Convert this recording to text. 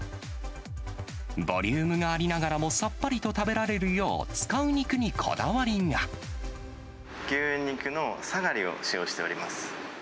ボリュームがありながらも、さっぱりと食べられるよう、牛肉のサガリを使用しております。